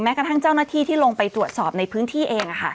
กระทั่งเจ้าหน้าที่ที่ลงไปตรวจสอบในพื้นที่เอง